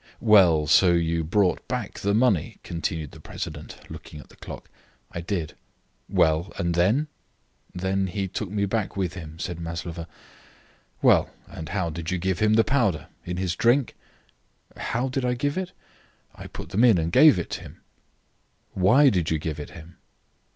"Well, so you brought back the money," continued the president, looking at the clock. "I did." "Well, and then?" "Then he took me back with him," said Maslova. "Well, and how did you give him the powder? In his drink?" "How did I give it? I put them in and gave it him." "Why did you give it him?"